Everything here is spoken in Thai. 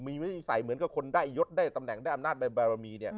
มีวินิสัยเหมือนกับคนได้ยศได้ตำแหน่งได้อำนาจในบารมี